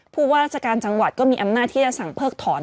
ผู้ว่าราชการจังหวัดก็มีอำนาจที่จะสั่งเพิกถอน